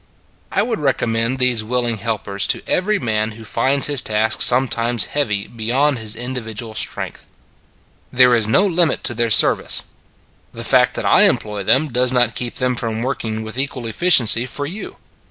I would commend these willing helpers to every man who finds his task sometimes heavy beyond his individual strength. There is no limit to their service. The fact that I employ them does not keep them from working with equal efficiency for you.